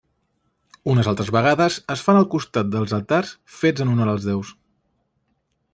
Unes altres vegades es fan al costat dels altars fets en honor dels déus.